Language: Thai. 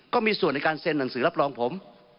ก็มีส่วนในการเซ็นหนังสือรับรองผม